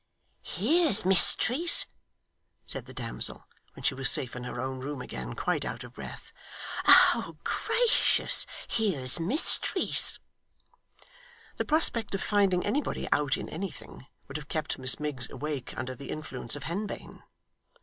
'Here's mysteries!' said the damsel, when she was safe in her own room again, quite out of breath. 'Oh, gracious, here's mysteries!' The prospect of finding anybody out in anything, would have kept Miss Miggs awake under the influence of henbane.